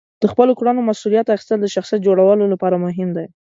د خپلو کړنو مسئولیت اخیستل د شخصیت جوړولو لپاره مهم دي.